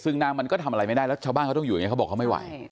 ซึ่งน้ำมันก็ทำอะไรไม่ได้แล้วชาวบ้านเขาต้องอยู่อย่างนี้เขาบอกเขาไม่ไหว